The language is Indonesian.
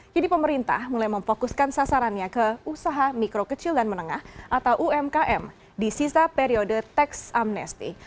kini pemerintah mulai memfokuskan sasarannya ke usaha mikro kecil dan menengah atau umkm di sisa periode teks amnesti